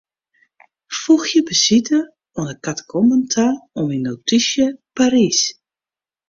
Foegje besite oan 'e katakomben ta oan myn notysje Parys.